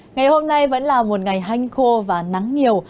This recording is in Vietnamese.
ngày hôm nay vẫn là một ngày hanh khô và nắng nhiều